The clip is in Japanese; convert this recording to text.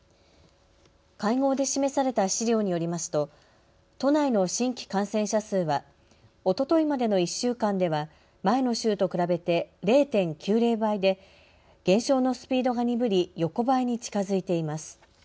会合で示された資料によりますと都内の新規感染者数はおとといまでの１週間では前の週と比べて０．９０倍で減少のスピードが鈍り横ばいに近づいています。